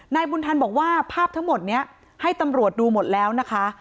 นายบุญธันบอกว่าภาพทั้งหมดนี้ให้ตำรวจดูหมดแล้วนะคะ